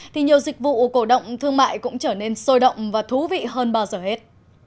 thì nhiều dịch vụ cổ động thương mại cũng trở nên sôi động và thú vị hơn bao giờ hết